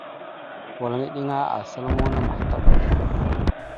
Walŋa eɗiŋa asal muuna mahətaɓ da.